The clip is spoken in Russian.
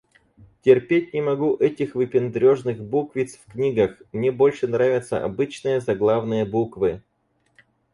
Терпеть не могу этих выпендрёжных буквиц в книгах. Мне больше нравятся обычные заглавные буквы